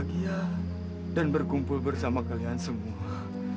bahagia dan berkumpul bersama kalian semua